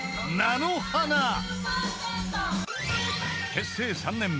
［結成３年目］